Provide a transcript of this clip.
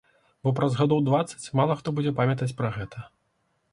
Бо праз гадоў дваццаць мала хто будзе памятаць пра гэта.